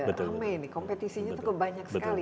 amai ini kompetisinya cukup banyak sekali